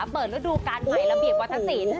เปิดฤดูการใหม่ระเบียบวัฒนศิลป์